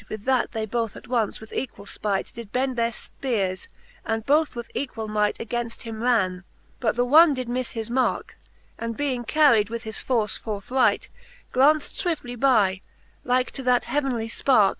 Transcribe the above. With that they both at once with equall .fpight Did bend their fpeares, and both with equall might Againft him ran ; but th' one did mifie his marke, And being carried with his force forthright, Glaunft fwiftly by ; like to that heavenly fparke.